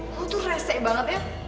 lo tuh rese banget ya